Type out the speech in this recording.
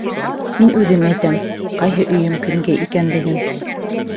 Мин үҙем әйтәм, ҡайһы өйөм кемгә икәнлеген.